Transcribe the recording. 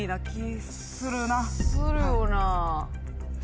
するよな。